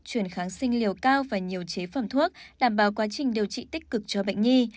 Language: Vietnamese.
truyền kháng sinh liều cao và nhiều chế phẩm thuốc đảm bảo quá trình điều trị tích cực cho bệnh nhi